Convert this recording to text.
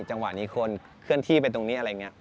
จังหวะนี้คนเคลื่อนที่ไปตรงนี้อะไรอย่างนี้